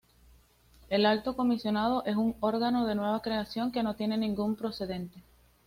El Alto Comisionado es un órgano de nueva creación que no tiene ningún precedente.